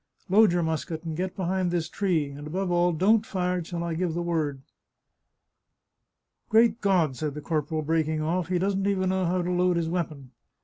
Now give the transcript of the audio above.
" Load your musket, and get behind this tree ; and above all, don't fire till I give the word." " Great God !" said the corporal, breaking off, " he doesn't even know how to load his weapon